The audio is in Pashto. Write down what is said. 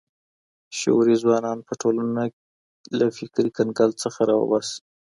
شعوري ځوانان به ټولنه له فکري کنګل څخه راوباسي.